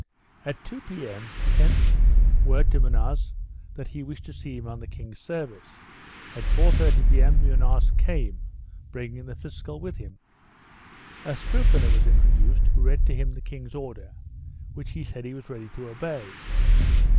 At 2 P.M. he sent word to Mufioz that he wished to see him on the king's service. At 4.30 P.M. Mufioz came, bringing the fiscal with him. A scriv ener was introduced who read to him the king's order, which he said he was ready to obey.